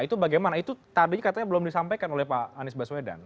itu bagaimana itu tadinya katanya belum disampaikan oleh pak anies baswedan